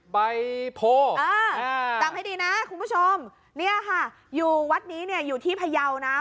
ใบโพจำให้ดีนะคุณผู้ชมเนี่ยค่ะอยู่วัดนี้เนี่ยอยู่ที่พยาวนะ